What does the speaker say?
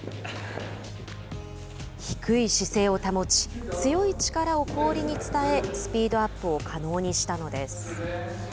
低い姿勢を保ち強い力を氷に伝えスピードアップを可能にしたのです。